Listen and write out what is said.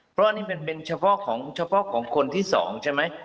เพราะอันนี้เป็นเฉพาะของคนที่๒ใช่ไหม